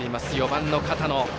４番の片野。